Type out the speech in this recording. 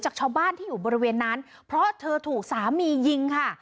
จากชาวบ้านที่อยู่บริเวณนั้นเพราะเธอถูกสามียิงค่ะ